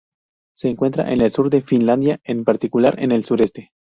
Se encuentra en el sur de Finlandia, en particular, en el sureste.